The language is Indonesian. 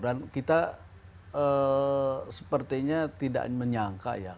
dan kita sepertinya tidak menyangka ya